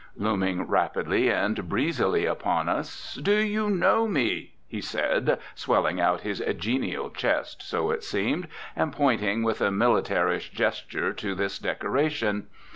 Looming rapidly and breezily upon us "Do you know me?" he said, swelling out his "genial" chest (so it seemed) and pointing, with a militarish gesture, to this decoration.